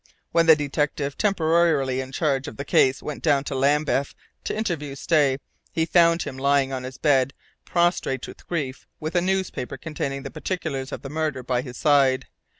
When the detective temporarily in charge of the case went down to Lambeth to interview Stay, he found him lying on his bed prostrate with grief, with a newspaper containing the particulars of the murder by his side.